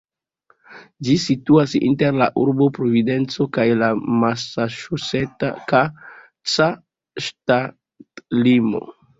Ĝi situas inter la urbo Providenco kaj la masaĉuseca ŝtatlimo.